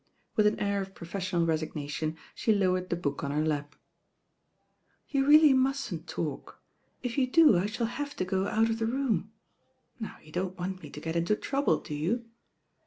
With an air of professional resignation, she low ered the book on her lap. "You reaUy mustn't talk. If you do I shaU have to go out of the room. Now you don't want me to get into trouble, do you?"